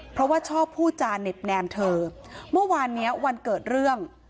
เพราะว่าชอบพูดจาเน็บแนมเธอเมื่อวานเนี้ยวันเกิดเรื่อง